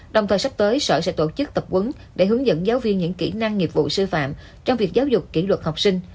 đồng thời sắp tới sở sẽ tổ chức tập quấn để hướng dẫn giáo viên những kỹ năng nghiệp vụ sư phạm trong việc giáo dục kỷ luật học sinh